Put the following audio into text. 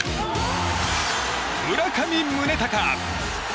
村上宗隆。